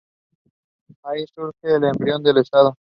Ahí surge el embrión del Estado.